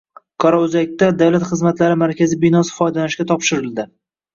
Qoraӯzakda Davlat xizmatlari markazi binosi foydalanishga topshirildi